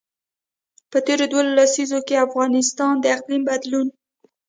په تېرو دوو لسیزو کې افغانستان د اقلیم بدلون.